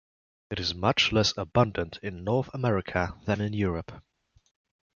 It is much less abundant in North America than in Europe.